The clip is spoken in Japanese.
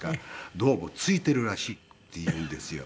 どうもついているらしいって言うんですよ。